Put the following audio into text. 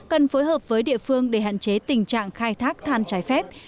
cần phối hợp với địa phương để hạn chế tình trạng khai thác than trái phép